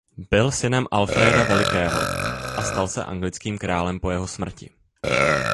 Byl synem Alfréda Velikého a stal se anglickým králem po jeho smrti.